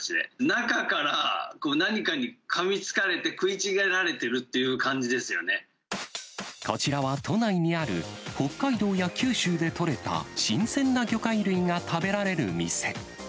中から何かにかみつかれて、食いちぎられているという感じでこちらは都内にある、北海道や九州で取れた新鮮な魚介類が食べられる店。